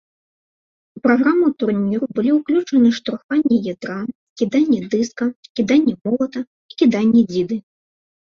У праграму турніру былі ўключаны штурханне ядра, кіданне дыска, кіданне молата і кіданне дзіды.